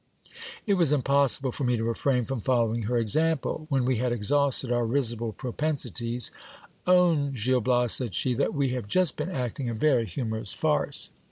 It was impossible for me to refrain from following her example. When we had exhausted our risible propensities, Own, Gil Bias, said she, that we have just been acting a very humorous farce.